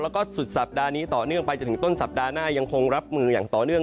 แล้วก็สุดสัปดาห์นี้ต่อเนื่องไปจนถึงต้นสัปดาห์หน้ายังคงรับมืออย่างต่อเนื่อง